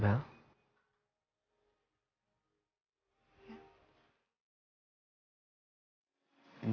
boleh minta tolong